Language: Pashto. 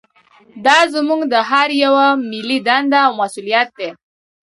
دا زموږ د هر یوه ملي دنده او مسوولیت دی